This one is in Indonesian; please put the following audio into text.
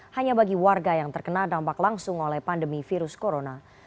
hanya bagi warga yang terkena dampak langsung oleh pandemi virus corona